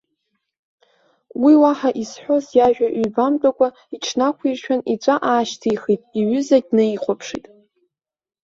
Уи уаҳа изҳәоз иажәа ҩбамтәыкәа, иҽнақәиршәын иҵәа аашьҭихит, иҩызагьы днаихәаԥшит.